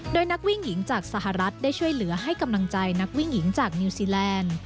โดยนักวิ่งหญิงจากสหรัฐได้ช่วยเหลือให้กำลังใจนักวิ่งหญิงจากนิวซีแลนด์